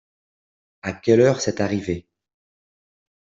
À quelle heure c'est arrivé ?